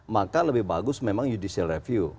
maka lebih bagus memang judicial review